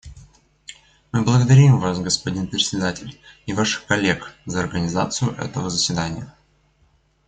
Мы благодарим Вас, господин Председатель, и Ваших коллег за организацию этого заседания.